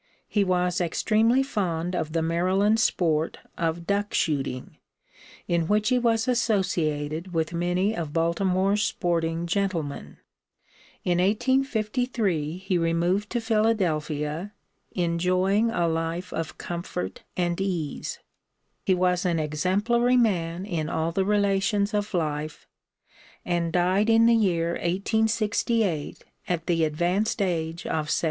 He was extremely fond of the Maryland sport of duck shooting, in which he was associated with many of Baltimore's sporting gentlemen. In 1853 he removed to Philadelphia, enjoying a life of comfort and ease. He was an exemplary man in all the relations of life, and died in the year 1868 at the advanced age of 73.